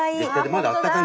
まだあったかい。